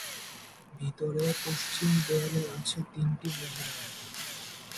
ভিতরে পশ্চিম দেয়ালে আছে তিনটি মেহরাব।